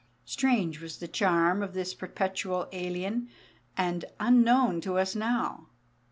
Strange was the charm of this perpetual alien, and unknown to us now.